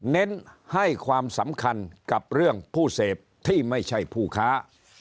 เน้นให้ความสำคัญกับเรื่องผู้เสพที่ไม่ใช่ผู้ค้า